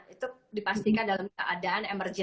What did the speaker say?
itu dipastikan dalam keadaan